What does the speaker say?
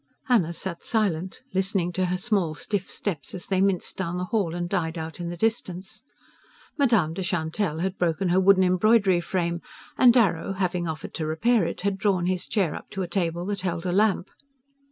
Anna sat silent, listening to her small stiff steps as they minced down the hall and died out in the distance. Madame de Chantelle had broken her wooden embroidery frame, and Darrow, having offered to repair it, had drawn his chair up to a table that held a lamp.